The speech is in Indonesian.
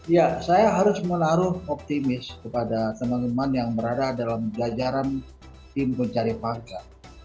ya saya harus menaruh optimis kepada teman teman yang berada dalam jajaran tim pencari fakta